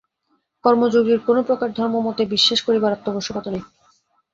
কর্মযোগীর কোন প্রকার ধর্মমতে বিশ্বাস করিবার আবশ্যকতা নাই।